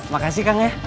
makasih kang ya